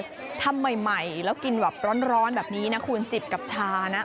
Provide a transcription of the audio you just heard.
คือทำใหม่แล้วกินแบบร้อนแบบนี้นะคุณจิบกับชานะ